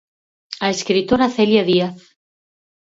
A escritora Celia Díaz.